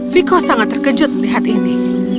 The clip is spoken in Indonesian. viko sangat terkejut melihat ini